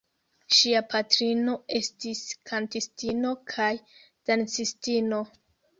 Ŝia patrino estis kantistino kaj dancistino.